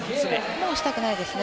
もうしたくないですね